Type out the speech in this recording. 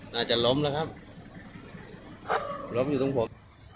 น่าจะล้มแล้วครับล้มอยู่ตรงผม